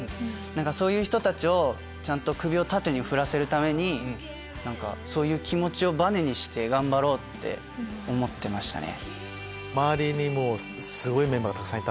そういう人たちをちゃんと首を縦に振らせるためにそういう気持ちをバネにして頑張ろうって思ってましたね。